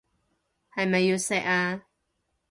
係咪要錫啊？